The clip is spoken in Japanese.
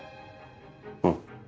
うん。